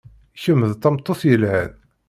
Kemm d tameṭṭut yelhan.